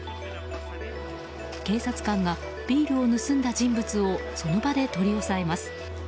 警察官がビールを盗んだ人物をその場で取り押さえます。